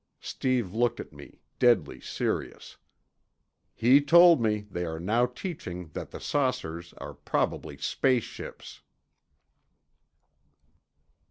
Steve looked at me, deadly serious. "He told me they are now teaching that the saucers are probably space ships."